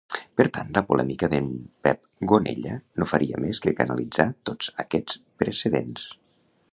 Per tant, la polèmica d'en Pep Gonella no faria més que canalitzar tots aquests precedents.